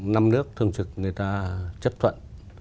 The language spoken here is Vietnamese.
năm nước thường trực người ta chấp thuận